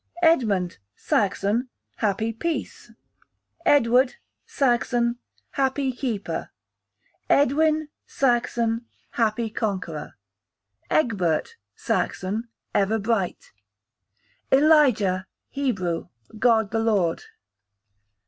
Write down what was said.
Edmund, Saxon, happy peace. Edward, Saxon, happy keeper. Edwin, Saxon, happy conqueror. Egbert, Saxon, ever bright. Elijah, Hebrew, God the Lord.